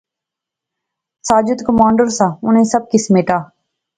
ساجد کمانڈر سا، انی سب کی سمیٹیا